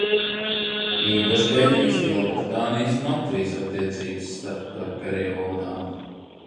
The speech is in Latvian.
Īpaši pētījis Liebritānijas un Latvijas attiecības starpkaru periodā.